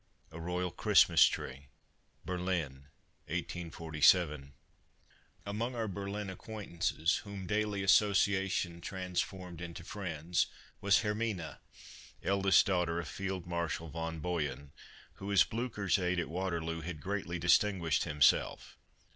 A ROYAL CHRISTMAS TREE BERLIN, 1547 Among our Berlin acquaintances whom daily association transformed into friends was Hermina, eldest daughter of Field Marshal von Boyen, who as Blucher's aid at Waterloo had greatly distinguished himself.